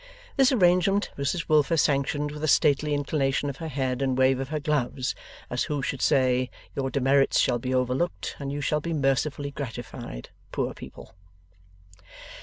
This arrangement Mrs Wilfer sanctioned with a stately inclination of her head and wave of her gloves, as who should say, 'Your demerits shall be overlooked, and you shall be mercifully gratified, poor people.